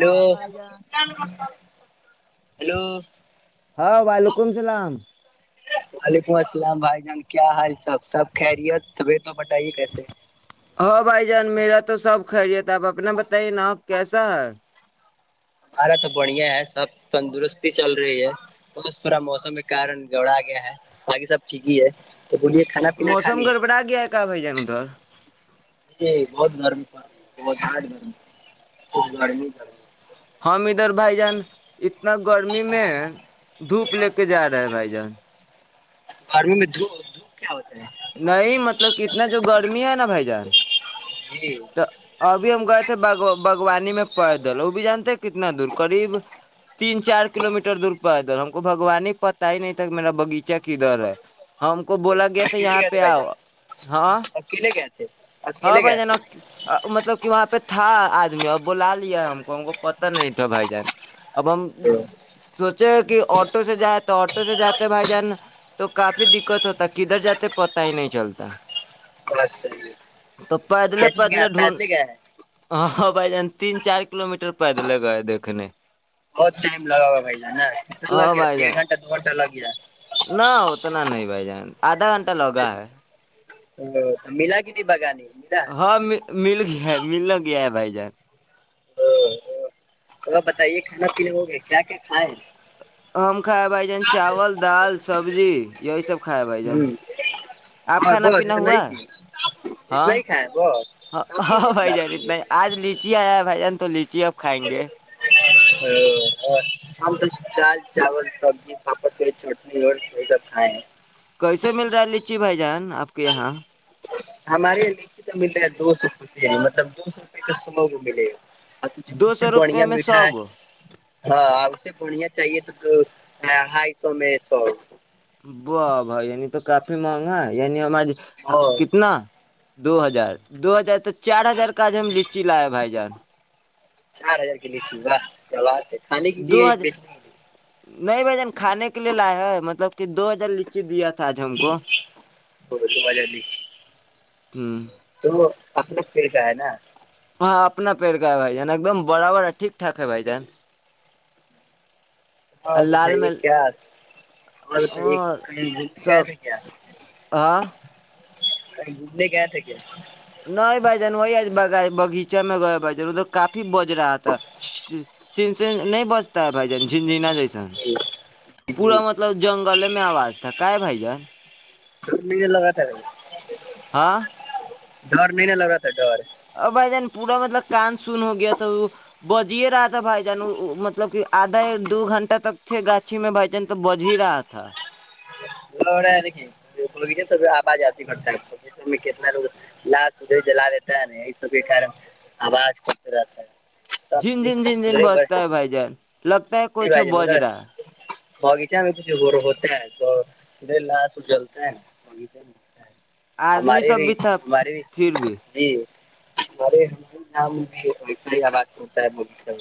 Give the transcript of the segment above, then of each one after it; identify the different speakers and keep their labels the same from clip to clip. Speaker 1: hello
Speaker 2: ام بھائی جان
Speaker 1: ہلو
Speaker 2: ہاں بھائی وکم سلام
Speaker 1: وعلیکم السلام بھائی جان کیا حال چال سب خیریت تیں تو بتائیے کیسے
Speaker 2: ہاں بھائی جان میرا تو سب کھائی رہیے ت آپ اپنا بتائیے نا کیسا ہے
Speaker 1: ہمارا تو بڑھیا ہے سب تندرستی چل رہی ہے بہت تھوورا موسم کے کارن گڑا گیا ہے باقی سب ٹھیک ہی ہے تو بولیے کھانا پینا کھا
Speaker 2: موسم
Speaker 1: لیے
Speaker 2: گڑبڑا گیا ہے کا بائی ج ن تور
Speaker 1: ج بہت گرمی پڑ رہی ہے بہت ہٹ گرمی کچھ گڑی پڑ رہی
Speaker 2: ہم ادھر بھائی جان اتنا گرمی میں دھوپ لے کے جا رہا ہے بھائی جان
Speaker 1: گھرم میں د دھ کیا ہوتا ہے
Speaker 2: نہیں مطلب اتنا جو گرمی ہے نا بھائی جان
Speaker 1: جی
Speaker 2: تو ابھی ہم گئے تھے باغوانی میں پائے دول وہ بھی جانتے ہیں کتنا دور قریب تین چار کلو میٹر دور پہ ادھر ہم کو بگوان ہی پتتا ہی نہیں تھاک میرا بغیچہ کی دھر ہے ہم ہم کو بولا گیا تھا
Speaker 1: اکیلے
Speaker 2: یہاں
Speaker 1: گئے تھے
Speaker 2: پہ
Speaker 1: بھائی
Speaker 2: آؤ
Speaker 1: جان
Speaker 2: ہاں
Speaker 1: اکیلے گئے تھے
Speaker 2: ہاں
Speaker 1: اکیلے
Speaker 2: بھائی
Speaker 1: گئے
Speaker 2: جنا
Speaker 1: تھے
Speaker 2: مطلب کہ وہاں پہ تھا آدمی اب بلا لیا ہے ہم کو ہم کو پت نہیں تھا بھائی جان اب ہم کہ آٹو سے جائے تو آٹو سے جاتے ہیں بھائی جان تو کافی دقت ہوتا ہے کدھر جاتا تو پتا ہی نہیں چلتا
Speaker 1: بات صحیح ہے
Speaker 2: تو پیدلے
Speaker 1: کیسے گیا
Speaker 2: پیدلے ڈھونڈ
Speaker 1: گیا ہے
Speaker 2: ہ تین چار کلو میٹر پیدلے گئے دھنے
Speaker 1: بہت ٹائم لگا بھ جتنا
Speaker 2: ہاں
Speaker 1: لگے
Speaker 2: بھائی
Speaker 1: دیڑھ
Speaker 2: جان
Speaker 1: گھنہ د دو گنٹا لگا ہے
Speaker 2: نہ اتنا نہیں بھائی جان آدھا گھنٹہ لگا ہے
Speaker 1: ا تو ملا کت بگانی ملا
Speaker 2: ہاں مل ہے مل نہ گیا ہے بھائی جار
Speaker 1: ا تھ بتائیے کھانا پینے ہو گئے کیا کیا کھائے ہیں
Speaker 2: ا [unintelligible] کھ بھائی جان چاول دال سبزی یہی سب کھیا بھائی جان
Speaker 1: ہ
Speaker 2: آپ
Speaker 1: اور
Speaker 2: کھانا
Speaker 1: بس
Speaker 2: پینا
Speaker 1: اتنا
Speaker 2: ہوا
Speaker 1: ہی چیز اتنا
Speaker 2: ہاں
Speaker 1: ہی کھائے بس
Speaker 2: ہ
Speaker 1: کافی ہے
Speaker 2: ہاں بھائی جان اتنا آج لیچی آیا بھائی جان تو آپ کھائیں گے
Speaker 1: ا ہم تو چ چاول سبزی پاپڑ پری چٹنی اور یہ سب کھائے ہیں
Speaker 2: کیسے مل رہا ہے لچی بھائی جان آپ کے یہاں
Speaker 1: ہمارے یہاں نیچے تو مل رہا ہے دو سو ک مطلب دو سو روپے کسموں کو ملے گا ھ
Speaker 2: دو
Speaker 1: اس سے
Speaker 2: سو روپے
Speaker 1: بڑھیا
Speaker 2: میں
Speaker 1: میٹھا
Speaker 2: سو
Speaker 1: ہے
Speaker 2: گو
Speaker 1: ہاں اس سے بڑھیا چاہیے تو تو ڈھائی سو میں سو
Speaker 2: و بھائی یعنی تو کافی مہنگا ہے یعنی ہماری کتنا دو ہزار دو ہزار تک چار ہزار کاج ہم لچی لاائے بھائی جان
Speaker 1: چار ہزار کی لیےچا کیا کھانے کی
Speaker 2: دو
Speaker 1: لیے
Speaker 2: ہج
Speaker 1: بیچنے
Speaker 2: نہیں بھ جن کھانے کے لیے لائے ہے مطلب دو ہزار ل لیچے دیا تھا آج ہم کو
Speaker 1: وہ تو بہ جی
Speaker 2: ہوں
Speaker 1: وہ اپنے پل کا ہے نا
Speaker 2: ہاں اپنا پہر گ ہے بھائی جان ایک دم برابر ہے ٹھیکٹااک ہے بائی جان
Speaker 1: ہاں
Speaker 2: اور
Speaker 1: تو
Speaker 2: لال
Speaker 1: تھاائی
Speaker 2: میں
Speaker 1: کیا اور ک گیا
Speaker 2: سب
Speaker 1: تھا کیا
Speaker 2: ہاں
Speaker 1: ک گزے گیا تھ کہ
Speaker 2: نہیں بھ جن وہ آج بائی بگیچ چ میں گیا بائیار ادھر کاپ بج رہا تھا چن سن نہیں بچتا ہے بائی جان جھنجھنا جیس
Speaker 1: جی جی
Speaker 2: پورا مطلب جنگل ہے آواز تھا کا بائی جان
Speaker 1: منے لگتا رہ
Speaker 2: ہاں
Speaker 1: ڈر نہیںہنے لگ رہا تھا ڈر
Speaker 2: اور بھائی جان پورا مطلب کان سن ہو گیا تھا وہ بج ہی رہا تھا بھائی جان مطلب کہ آدھا دو گھنٹہ تک تھے گاچھی میں بھائی جان تو بج ہی رہا تھا
Speaker 1: ل رہا ہے دیکھیے ب سب آواز آتی پتا ہے سب میں کتنا لوگ لاشدے جلا دیتا ہے نا یہ سب کے کار آواز ک رہتا ہے
Speaker 2: جن
Speaker 1: سب
Speaker 2: جن جن جن
Speaker 1: ادھرے
Speaker 2: بجتا ہے بھائی جان لگتا ہے
Speaker 1: جی
Speaker 2: کوئی چھ
Speaker 1: بھائی جان
Speaker 2: بج
Speaker 1: ادھر
Speaker 2: رہا ہے
Speaker 1: باغیچہ میں کچھ ہوتا ہے ب [unintelligible] اے لاش جلتا ہے بغیچے میں ہوتا ہے
Speaker 2: آدمی سب بھی تھا پھر بھی
Speaker 1: جی ہمارے ہمار نامس ہی آواز کرتا ہے بولتے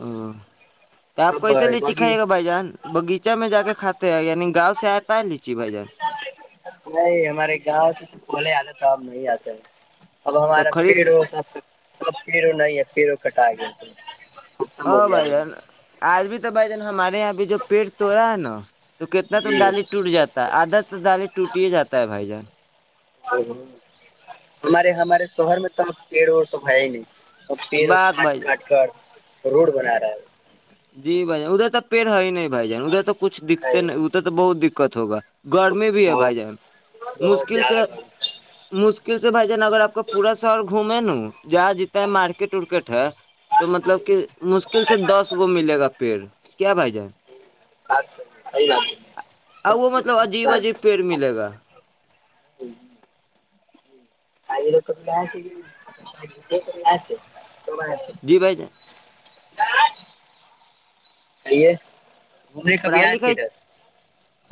Speaker 2: ہ [unintelligible] تو آپ کیسے لیچی
Speaker 1: باغی
Speaker 2: کھائی گا بھائی جان باغیچہ میں جا کے کھے ہیں یعنی گاؤ سے سینتالیس [unintelligible]
Speaker 1: نہیں ہمارے گاؤں سے بھلیے حالت کاب نہیں آتے ہے اب
Speaker 2: تو
Speaker 1: ہمارا
Speaker 2: خرید کے
Speaker 1: پیڑوں سب سب پیڑوں نہیں ہے پیرو کٹا آ گ تھ
Speaker 2: ہاں بھائی جان آج بھی تو بھائی جان ہمارے یہاں پ جو پیڑ تویا ہے نا تو کتنا تو
Speaker 1: جی
Speaker 2: ڈالی ٹوٹ جاتا آدت تو دالی ٹوٹی ہی جاتا ہے بھائی جان
Speaker 1: ہمارے ہمارے شہر میں تو پیڑ وڑ سب ہے ہی نہیں اور پیر
Speaker 2: باغ
Speaker 1: کاٹ
Speaker 2: بھائی جان
Speaker 1: کاٹ کر روڈ بنا رہا ہے
Speaker 2: پ ہے نہیں بھائی جان ا تو کچھ
Speaker 1: ہے
Speaker 2: دکھتے نہیں ا تو بہت د دقت ہوگا گر میں بھی ہے بھائی
Speaker 1: بہت
Speaker 2: جان
Speaker 1: بہت
Speaker 2: مشکل سے
Speaker 1: زیادہ
Speaker 2: مشکل کیس بھے ن اگر آپ کا پورا شہر گھومے نا جہاں جیتا ہے مارکیٹ ورکیٹ ہے تو مطلب کہ مشکل سے دس گ ملے گا پیڑ کیا بھائی جان
Speaker 1: صحیح بات ہے
Speaker 2: ا وہ مطلب عجیب عجیب پیڑ ملے گا
Speaker 1: [unintelligible] آ لو ک ل کرتے تو ب
Speaker 2: جی بھائی جان
Speaker 1: کرئیے گھومنے کبھی
Speaker 2: پڑھائی
Speaker 1: آئے تھے
Speaker 2: لکھائی
Speaker 1: ادھر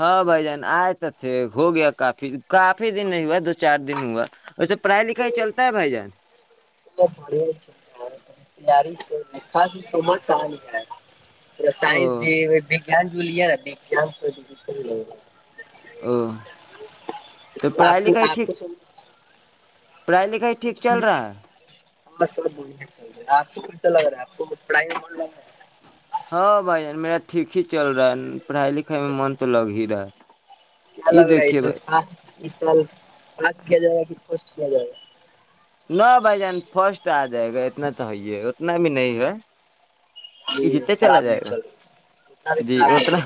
Speaker 2: ہاں بھائی جان آئے تو تھے ہو گیا کافی کافی دن نہیں ہوا دو چار دن ہوا ویسے پڑھائی لکھائی چلتا ہے بھائی جان
Speaker 1: بڑ چ تیاری س خا میں سمج ک نہیں آ پا
Speaker 2: او
Speaker 1: سائنس دی جان جوولی ان
Speaker 2: ا تو
Speaker 1: آپ
Speaker 2: پڑھائی
Speaker 1: کو
Speaker 2: لکھائی
Speaker 1: آپ
Speaker 2: ٹھیک
Speaker 1: کو
Speaker 2: پڑھائی لکھائی ٹھیک چل رہا ہے
Speaker 1: بس سب بول چ رہے ہے آپ کو کیسا لگ رہا ہے آپ کو پڑھائی میں ب لگ رہا ہے
Speaker 2: ہاں بھائی جان میرا ٹھیک ہی چل رہا ہے پڑھائی لکھائی میں من تو لگ ہی رہ ہے یہ
Speaker 1: لگ رہائی
Speaker 2: دیکھیے بھائی
Speaker 1: سپا اس سال پس کیا جائے گا کہ فسٹ کیا جائے گا
Speaker 2: نہ بھائی جان فرسٹ آ جائے گا اتنا تو ہے ہے اتنا بھی نہیں ہے
Speaker 1: گا
Speaker 2: یہ جتنے چلا
Speaker 1: خراب
Speaker 2: جائے
Speaker 1: نہیں
Speaker 2: گا
Speaker 1: چل رہا اتنا بھی
Speaker 2: جی
Speaker 1: خراب نہیں
Speaker 2: اتنا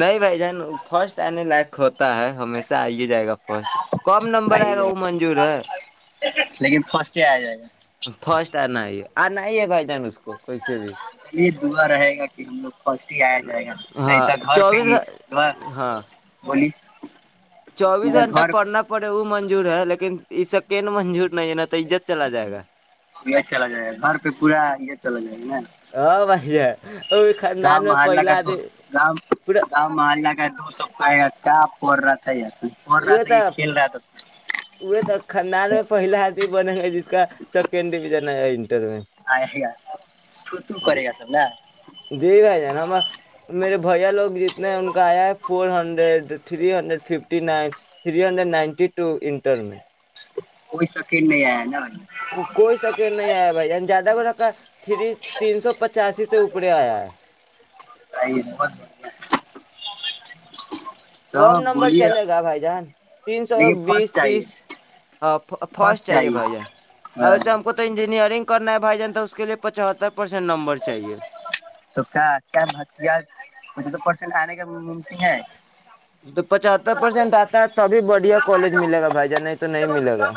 Speaker 2: نہیں بھائی جان فرسٹ لٹ خط ہے ہمیشہ آئیے جائے گا فرسٹ کم نمبر آئے گا
Speaker 1: چل رہا
Speaker 2: وہ منجور ہے
Speaker 1: لیکن فرسٹ ہی آیا جائے گا
Speaker 2: فرسٹ آنا ہے آ نہیں ہے بھائی ن اس کوس بھی
Speaker 1: یہ دعا رہے گا کہ ہم لوگ فسٹ ہی آیا جائے گا نہیں
Speaker 2: ہاں
Speaker 1: تو گھر پہ
Speaker 2: چوبیس
Speaker 1: ہی
Speaker 2: ہاں
Speaker 1: بولی
Speaker 2: چوبیس
Speaker 1: ادھر
Speaker 2: گھنٹہ
Speaker 1: گھر
Speaker 2: پڑنا پڑے وہ منجور ہے لیکن اس سے ن منجور نہیں ہے نا تو عزت چلا جائے گا
Speaker 1: یہ چلا جائے گا گھر پہ پورا یہ چلا جائے گا نا
Speaker 2: یہ [unintelligible]
Speaker 1: گاؤ محلہ کا دو گاؤں
Speaker 2: پورا
Speaker 1: گاؤں محلہ کا دو ستا ہے کیا پ رہا تھا یار پڑ رہا تھا کہ کھیل رہا تھا
Speaker 2: تو تو کنان میں پہلا آدمی بنے گے جس کا سیکنڈ ڈویژن ہے میں
Speaker 1: آئے گا چھوتو کرے گا سب نا
Speaker 2: جی بھائی جان ہم میرے بھیا لوگ جتنے ہیں ان کا آیا ہے فور ہنڈریڈ تھری ہڈڈ فف [unintelligible] three hundred ninety two inter میں
Speaker 1: کوئی سکٹ نہیں آیا ہے نا ب
Speaker 2: کوئی سک نہیں آیا بھائی ج زیادہ کو رکھا تین سو پچاسی سے اوپر کپڑ آیا ہے [unintelligible]
Speaker 1: نہیں
Speaker 2: کم نمبر چلے گا بھائی جان تین سو
Speaker 1: لیکن فرسٹ
Speaker 2: بیس تیس
Speaker 1: چاہیے
Speaker 2: فرسٹ چاہیے بھائی جان ا ایسے ہم کو تو انجینئرنگ کرنا ہے بھائی جان تو اس کے لیے پچہتر پرسینٹ نمبر چاہیے
Speaker 1: تو کیا کیا مجھے تو پرسینٹ آنے کا ممکن ہے
Speaker 2: تو پچہتر پرسینٹ آتا ہے تبھی بڑھیا کالج ملے گا بھائی جان نہیں تو نہیں ملے گا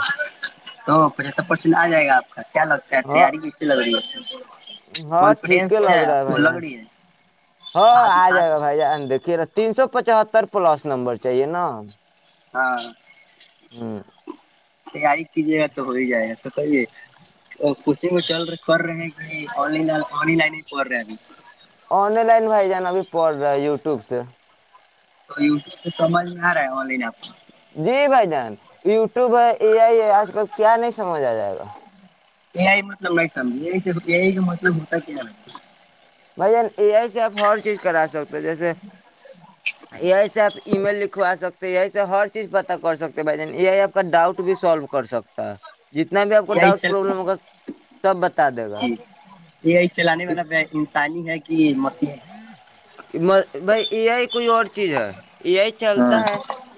Speaker 1: تو پچہتر پرسینٹ آ جائے گا آپ کا کیا لگتا ہے
Speaker 2: ہاں
Speaker 1: تیاری کس سے لگ رہی ہے
Speaker 2: ہاں ٹھیک
Speaker 1: کانفیڈینس میں
Speaker 2: لگ رہا ہے
Speaker 1: آپ کو
Speaker 2: بھائی
Speaker 1: لگ
Speaker 2: جان
Speaker 1: رہی ہے
Speaker 2: ہاں
Speaker 1: آج
Speaker 2: آ
Speaker 1: آج
Speaker 2: جائے گا بھائی جان دیکھیے تین سو پچہتر پلس نمبر چاہیے نا
Speaker 1: ہاں [unintelligible]
Speaker 2: ہ [unintelligible]
Speaker 1: آ [unintelligible] یے گا تو ہو ہی جائے گا تو کہیے کوچنگ چل رہ کر رہے ہیں کہ لائن ہی پڑھ رہے ہیں ابھی
Speaker 2: آن لائن بھائی جان ابھی پڑ رہا ہے یوٹیوب سے
Speaker 1: تو یوب تو سمجھ میں آ رہا ہے آن لائن آپ کو
Speaker 2: جی بھائی جان یوٹیوب ہے اے آئی ہے آج کل کیا نہیں سمجھ آ جائے گا ا [inaudible]
Speaker 1: اے آئی مطلب میں سمجے آئی صف اے آئی کا مطلب ہوتا کیا ہے
Speaker 2: بھائی اے آئی سے آپ ہر چیز کرا سکتے جیسے اے آئی سے ایپ ای میل لکھ کوا سکتے یہی سے ہر چیز پتا کر سکتے بھائی جان یہ آپ کا ڈاؤٹ بھی سالو کر سکتا ہے جتنا بھی آپ کو
Speaker 1: یہی
Speaker 2: ڈاؤٹ
Speaker 1: چل
Speaker 2: پرابلم ہوگا سب بتا دے گا
Speaker 1: یہ چلانے والا انسانی ہے کہ مسیح ہے
Speaker 2: بھائی اے آئی کوئی اور چیز ہے یہی چلتا ہے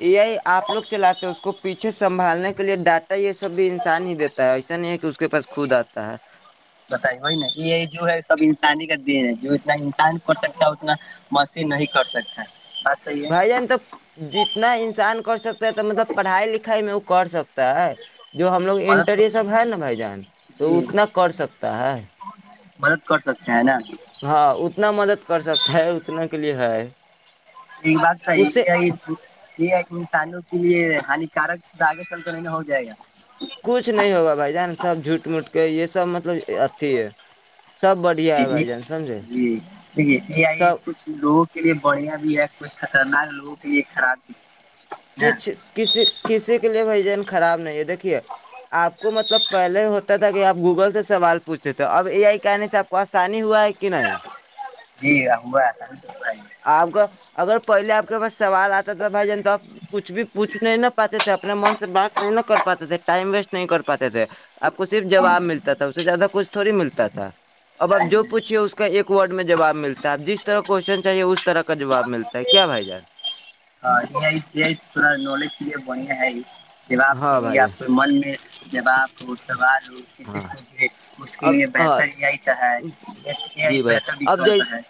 Speaker 2: یہ آپ لوگ چلاتے ہیں اس کو پیچھے سنبھالنے کے لیے ڈاٹا یہ سب بھی انسان ہی دیتا ہے ایسا نہیں ہے کہ اس کے پاس خود آتا ہے
Speaker 1: بت ن یہ جو ہے سب انسانی کا دن ہے جو اتنا انسان کر سکتا ہے اتنا مسیح نہیں کر سکتا بات صحیح ہے
Speaker 2: بھائی جان تو جی اتنا انسان کر سکتا ہے تو مطلب پڑھائی لکھائی میں وہ کر سکتا ہے جو ہم لوگ
Speaker 1: مدد
Speaker 2: انٹر سب ہے نا بھائی جان تو
Speaker 1: جی
Speaker 2: اتنا کر سکتا ہے
Speaker 1: مدد کر سکتے ہیں نا
Speaker 2: ہاں اتنا مدد کر سکتا ہے اتنے کے لیے ہے
Speaker 1: یہ بات تو
Speaker 2: اس سے
Speaker 1: یہ یہ سالو اس لیے ہانیکارک آگے چل تو رہ نا ہو جائے گا
Speaker 2: کچھ نہیں ہوگا بھائی جان سب جھوٹ مٹ کے یہ سب مطلب اچھی ہے سب بڑھیا ہے
Speaker 1: نی
Speaker 2: بھائی جان سمجھے
Speaker 1: جییک اتنی آئی
Speaker 2: سب
Speaker 1: کچھ لوگوں کے لیے بڑھیا بھی ہے کچھ خطرناک لوگوں کے لیے خراب بھی ہے نا
Speaker 2: کسی کے لیئے بھائیجان کو خراب نہیں ہے دیکھیے آپ کو مطلب پہلے ہوتا تھا کہ آپ گوگل سے سوال پوچھتے تھے اب اے آئی کہنے سے آپ کو آسانی ہوا ہے کہ نہیں
Speaker 1: جی [unintelligible]
Speaker 2: آپ کا بس سوال آتا تھا بھائی جان تو آپ کچھ بھی پوچھ نہیں نہ پاتے تھے اپنے من سے بات نہیں ن کر پاتے تھے ٹائم ویسٹ نہیں کر پاتے تھے آپ کو صرف جواب ملتا تھا اس سے زیادہ کچھ تھوڑی ملتا تھا اب اب جو
Speaker 1: نہیں
Speaker 2: پوچھیے اس کو کا ایک ورڈ میں جواب ملتا ہے اپ جس طرح کا کوشچن چاہیے اس طرح کا جواب ملتا ہے کیا بھائی جان
Speaker 1: ہاں نہیں [inaudible] تھا نالج کےے بڑھیا ہے یہ جواب کے
Speaker 2: ہاں
Speaker 1: لیے
Speaker 2: بھائی
Speaker 1: آپ کے
Speaker 2: جان
Speaker 1: من میں جواب ہو سوال ہو کسی
Speaker 2: ہاں
Speaker 1: پوھے اس کے
Speaker 2: اب
Speaker 1: لیے
Speaker 2: ہاں
Speaker 1: بہتر یہ ہے
Speaker 2: جی بھائی
Speaker 1: بہتر بھی
Speaker 2: اب
Speaker 1: کرتا
Speaker 2: جیس
Speaker 1: ہے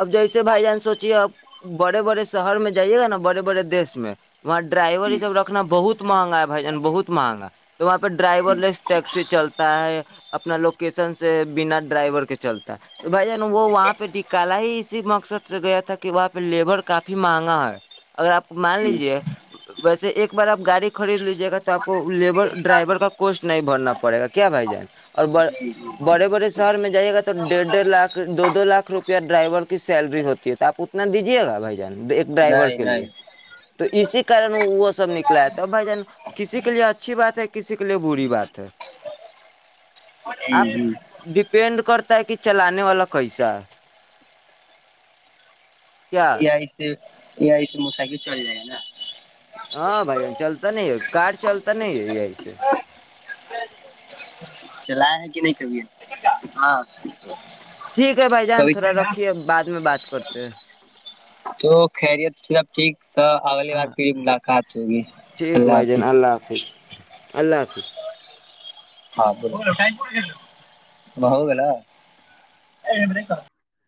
Speaker 2: اب جیسے بھائی جان سوچیے آپ بڑے بڑے شہر میں جائیے گا نا بڑے بڑے دیش میں وہاں ڈرائیور یہ
Speaker 1: جی
Speaker 2: سب رکھنا بہت مہنگا ہے بھائی جان بہت مہنگا تو وہاں پہ ڈرائیور
Speaker 1: جی
Speaker 2: لیس ٹیکسی چلتا ہے اپنا لوکیشن سے بنا ڈرائیور کے چلتا ہے تو بھائی جان وہ وہاں پہ نکالا ہی اسی مقصد سے گیا تھا کہ وہاں پہ لیبر کافی مہنگا ہے اگر آپ مان
Speaker 1: جی
Speaker 2: لیجے ویسے ایک بار آپ گاڑی خرید لیجیے گا تو آپ کو لیبر ڈرائیور کا کوسٹ نہیں بھرنا پڑے گا کیا بھائی جان اور ب
Speaker 1: جی جی
Speaker 2: بڑے بڑے شہر میں جائیے گا تو ڈیڑھ ڈیڑھ لاکھ دو دو لاکھ روپیہ ڈرائیور کی سیلری ہوتی ہے تو آپ اتنا دیجیے گا بھائی جان ایک ڈرائیور
Speaker 1: نہیں
Speaker 2: کے لیے
Speaker 1: نہیں
Speaker 2: تو اسی کارن وہ سب نکلایا تھا بھائی جان کسی کے لیے اچھی بات ہے کسی کے لیے بری بات ہے
Speaker 1: جی
Speaker 2: آپ
Speaker 1: جی
Speaker 2: ڈپینڈ [unintelligible] کرتا ہے کہ چلانے والا کیسا ہے کیا
Speaker 1: یہ آ سے [unintelligible] یہی سے موٹر سائیکل چل جائے گا نا
Speaker 2: ہاں بھ جان چلتا نہیں ہے کار چلتا نہیں ہے یہی سے
Speaker 1: چلایا ہے کہ نہیں کبھی ہاں
Speaker 2: ٹھیک ہے بھائی جان تھوڑا
Speaker 1: کبھی
Speaker 2: رکھیے بعد میں بات کرتے ہیں
Speaker 1: تو خیریت س سب ٹھیک تو اگلی بار
Speaker 2: ہاں
Speaker 1: پری ملاقات ہوگی
Speaker 2: ٹھیک
Speaker 1: اللہ
Speaker 2: بھائی جان
Speaker 1: حافظ
Speaker 2: حافظ اللہ حافظ [unintelligible]
Speaker 1: ہاں ہو گ [unintelligible]